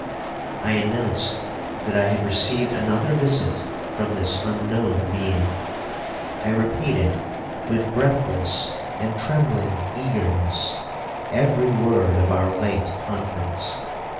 I announced that I had received another visit from this unknown being. I repeated, with breathless and trembling eagerness, every word of our late conference.